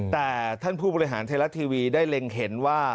แต่ท่านผู้บริหารไทยรัฐทีวีได้เล็งเห็นว่า